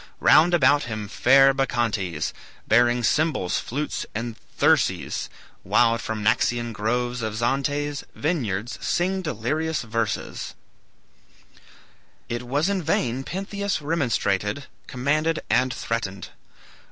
"Round about him fair Bacchantes, Bearing cymbals, flutes and thyrses, Wild from Naxian groves of Zante's Vineyards, sing delirious verses," It was in vain Pentheus remonstrated, commanded, and threatened.